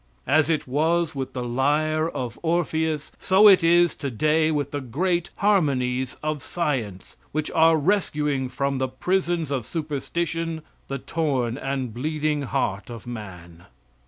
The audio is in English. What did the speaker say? As it was with the lyre of Orpheus, so it is to day with the great harmonies of Science, which are rescuing from the prisons of superstition the torn and bleeding heart of man.